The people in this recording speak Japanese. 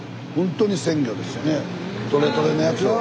取れ取れのやつ。